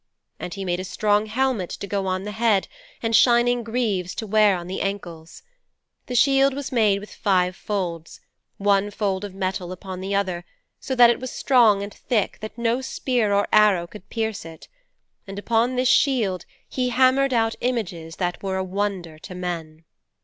And he made a strong helmet to go on the head and shining greaves to wear on the ankles. The shield was made with five folds, one fold of metal upon the other, so that it was so strong and thick that no spear or arrow could pierce it. And upon this shield he hammered out images that were a wonder to men.'